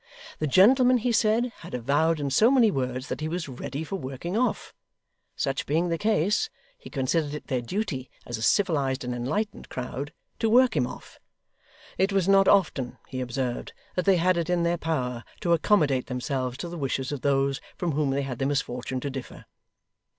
The gentleman, he said, had avowed in so many words that he was ready for working off; such being the case, he considered it their duty, as a civilised and enlightened crowd, to work him off. It was not often, he observed, that they had it in their power to accommodate themselves to the wishes of those from whom they had the misfortune to differ.